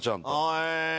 へえ。